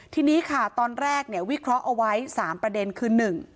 ทีนี้ค่ะตอนแรกเนี่ยวิเคราะห์เอาไว้๓ประเด็นคือ๑